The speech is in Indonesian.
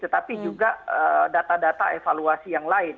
tetapi juga data data evaluasi yang lain